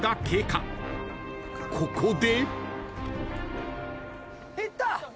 ［ここで］